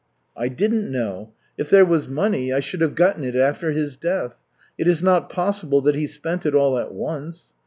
"I didn't know. If there was money, I should have gotten it after his death. It is not possible that he spent it all at once.